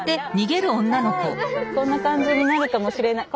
こんな感じになるかもしれない。